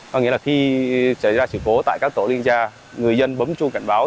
có nghĩa là khi xảy ra sự cố tại các tổ liên gia người dân bấm chuông cảnh báo